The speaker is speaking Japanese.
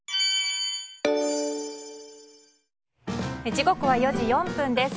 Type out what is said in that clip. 時刻は４時４分です。